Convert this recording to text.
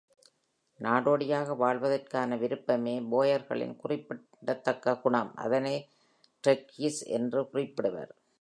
நாடோடியாக வாழ்வதற்கான விருப்பமே போயர்களின் குறிப்பிடத்தக்க குணம். அதனை ’ட்ரெக்கீஸ்’ என்று குறிப்பிடுவர்.